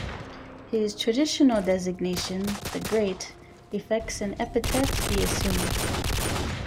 His traditional designation, "the Great", reflects an epithet he assumed.